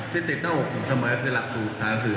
ที่ติดเข้าอยู่เสมือก็รักศูนย์ภาระเสือ